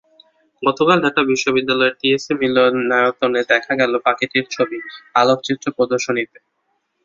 গতকাল ঢাকা বিশ্ববিদ্যালয়ের টিএসসি মিলনায়তনে দেখা গেল পাখিটির ছবি, আলোকচিত্র প্রদর্শনীতে।